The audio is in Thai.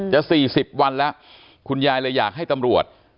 จะ๔๐วันแล้วคุณยายเลยอยากให้ตำรวจ